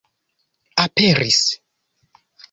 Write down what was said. aperis